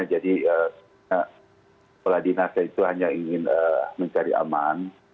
jadi peladina saya itu hanya ingin mencari aman